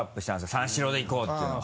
三四郎でいこう！っていうのは。